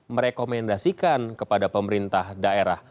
merekomendasikan kepada pemerintah daerah